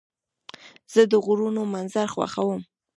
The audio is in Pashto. زه د غرونو منظر خوښوم.